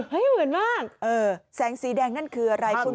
เฮ้ยเหมือนมากเออแสงสีแดงนั่นคืออะไรคุณบอกกระสือ